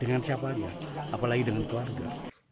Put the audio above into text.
dengan siapa aja apalagi dengan keluarga